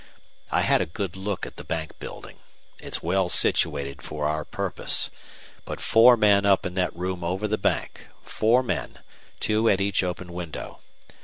I had a good look at the bank building. It's well situated for our purpose. Put four men up in that room over the bank four men, two at each open window.